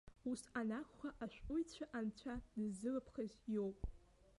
Ус анакәха, ашәҟәыҩҩы анцәа дыззылыԥхаз иоуп?